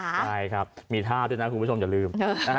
ใช่ครับมีท่าด้วยนะคุณผู้ชมอย่าลืม